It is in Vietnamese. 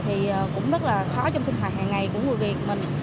thì cũng rất là khó trong sinh hoạt hàng ngày của người việt mình